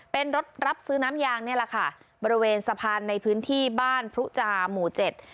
เป็นรถรับซื้อน้ำยางนี่แหละค่ะบริเวณสะพานในพื้นที่บ้านพรุจาหมู่เจ็ด